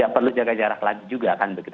perlu jaga jarak lagi juga kan begitu